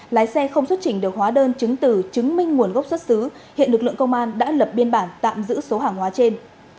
lái xe không xuất trình được hóa đơn chứng từ chứng minh nguồn gốc xuất xứ hiện lực lượng công an đã lập biên bản tạm giữ số hàng hóa trên